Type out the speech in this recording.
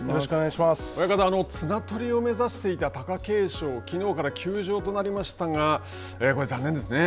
親方、綱とりを目指していた貴景勝、きのうから休場となりましたが、残念ですね。